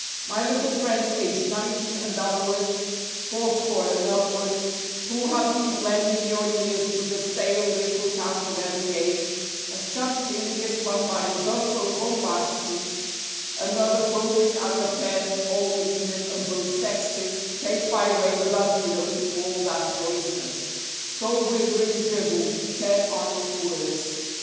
My little friends aged nineteen and downward fourscore and upward who have been lending your ears to the stale little cant of every age, as chanted in this one by Buffo Bombastes and other foaming at the pen old women of both sexes take by way of antidote to all that poisonous, soul withering drivel, ten honest words.